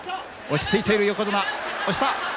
落ち着いている横綱。